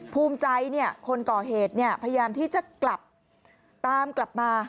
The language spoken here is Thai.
ภูมิใจคนก่อเหตุพยายามที่จะกลับตามกลับมา